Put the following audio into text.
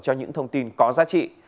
cho những thông tin có giá trị